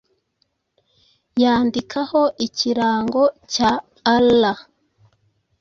yandikaho ikirango cya Allah